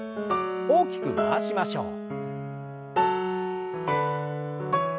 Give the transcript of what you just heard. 大きく回しましょう。